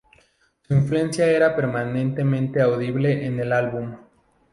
Su influencia era perfectamente audible en el álbum.